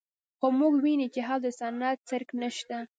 خو موږ ویني چې هلته د صنعت څرک نشته